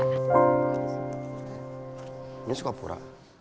ini suka pura